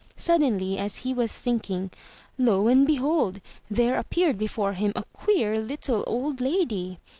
Suddenly, as he was thinking, lo and behold ! there appeared before him a queer little old lady.